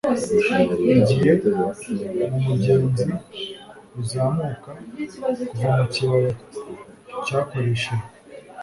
Igihe, mumugenzi uzamuka, kuva mukibaya cyakoreshejwe;